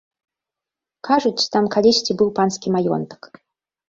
Кажуць, там калісьці быў панскі маёнтак.